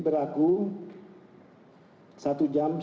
perusahaan akan menemukan rp delapan lima ratus per liter